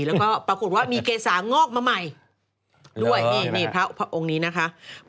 แล้วก็ปรากฏว่ามีเกษางอกมาใหม่ด้วยนี่พระองค์นี้นะคะ